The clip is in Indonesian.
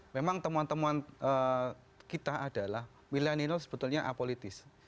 memang temuan temuan kita adalah milenial sebetulnya apolitis